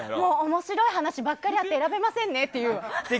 面白い話ばかりあって選べませんねっていう。